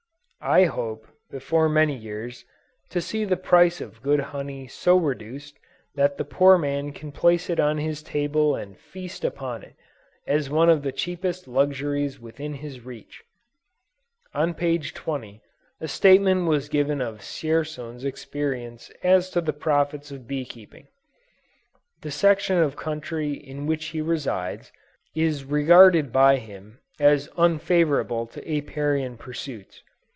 I hope, before many years, to see the price of good honey so reduced that the poor man can place it on his table and feast upon it, as one of the cheapest luxuries within his reach. On page 20, a statement was given of Dzierzon's experience as to the profits of bee keeping. The section of country in which he resides, is regarded by him as unfavorable to Apiarian pursuits.